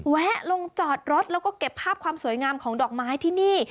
ลงจอดรถแล้วก็เก็บภาพความสวยงามของดอกไม้ที่นี่